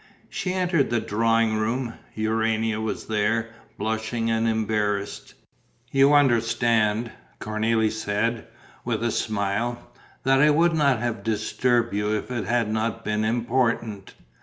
She entered the drawing room; Urania was there, blushing and embarrassed. "You understand," Cornélie said, with a smile, "that I would not have disturbed you if it had not been important.